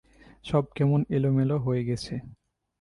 সব কেমন এলোমেলো হয়ে গেছে!